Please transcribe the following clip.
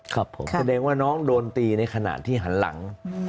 แสดงว่าน้องโดนตีในขณะที่หันหลัง